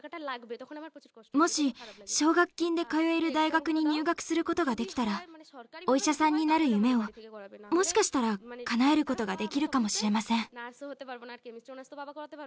もし奨学金で通える大学に入学することができたらお医者さんになる夢をもしかしたらかなえることができるかもしれません。